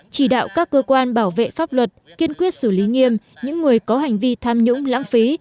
chỉ đạo các cơ quan bảo vệ pháp luật kiên quyết xử lý nghiêm những người có hành vi tham nhũng lãng phí